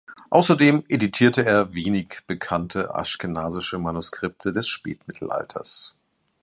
Außerdem edierte er wenig bekannte aschkenasische Manuskripte des Spätmittelalters.